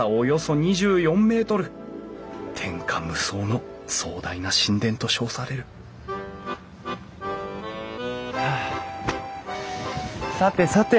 天下無双の壮大な神殿と称されるさてさて